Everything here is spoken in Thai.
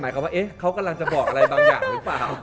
หมายความว่าเอ๊ะเค้ากำลังจะบอกอะไรบางอย่างหรือเปล่า